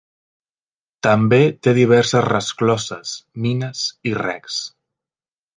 També té diverses rescloses, mines i recs.